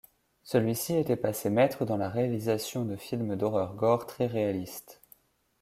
Celui-ci était passé maître dans la réalisation de films d'horreur gore très réalistes.